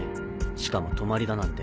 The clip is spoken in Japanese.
しかも泊まりだなんて。